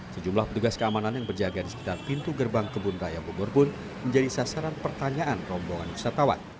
sejumlah petugas keamanan yang berjaga di sekitar pintu gerbang kebun raya bogor pun menjadi sasaran pertanyaan rombongan wisatawan